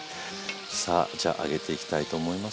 さあじゃあ上げていきたいと思います。